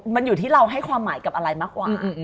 มันอยู่ที่เราให้ความหมายกับอะไรมากกว่า